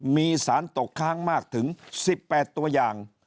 มีสารตกค้างมากถึง๑๘ตัวอย่าง